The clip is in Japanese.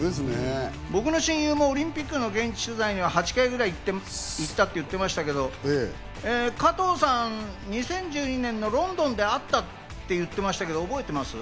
僕の親友もオリンピックの現地取材には８回ぐらい行ったって言ってましたけど、加藤さん、２０１２年のロンドンで会ったって言ってましたけど、覚えてます？